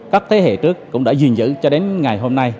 các thế hệ trước cũng đã duyên giữ cho đến ngày hôm nay